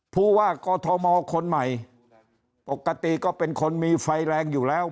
ผู้ว่ากอทมคนใหม่ปกติก็เป็นคนมีไฟแรงอยู่แล้ว